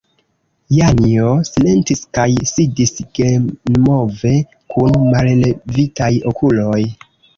Janjo silentis kaj sidis senmove kun mallevitaj okuloj.